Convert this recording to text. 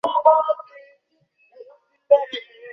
গুলি করা তো তোমার শখ, তাই না?